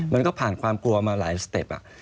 มันก็ผ่านความกลัวมาหลายสเต็ป